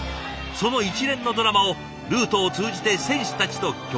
その一連のドラマをルートを通じて選手たちと共有する。